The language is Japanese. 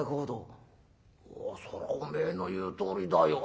「ああそらお前の言うとおりだよ。